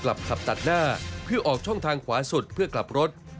ขับตัดหน้าเพื่อออกช่องทางขวาสุดเพื่อกลับรถ